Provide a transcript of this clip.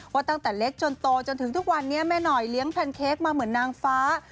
ตั้งแต่เล็กจนโตจนถึงทุกวันนี้แม่หน่อยเลี้ยงแพนเค้กมาเหมือนนางฟ้า